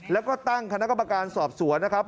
แล้วก็ตั้งคณะกรรมการสอบสวนนะครับ